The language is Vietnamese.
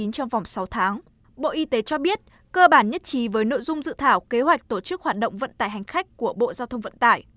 trong vòng sáu tháng bộ y tế cho biết cơ bản nhất trí với nội dung dự thảo kế hoạch tổ chức hoạt động vận tải hành khách của bộ giao thông vận tải